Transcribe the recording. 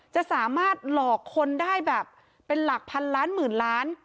จะสามารถหลอกคนได้แบบเป็นหลักพันล้านหมื่นล้าน